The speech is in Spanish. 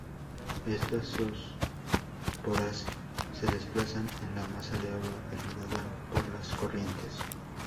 Estas zoosporas se desplazan en la masa de agua, ayudada por las corrientes.